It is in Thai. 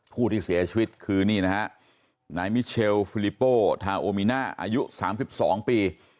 ผู้ที่เสียชีวิตคือนี่นะฮะนายมิเชลฟิลิโปทาโอมิน่าอายุ๓๒ปี